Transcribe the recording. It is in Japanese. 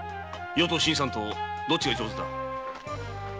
余と新さんとどっちが上手だ？